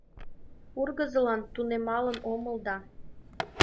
Ургызылан тунемалын омыл да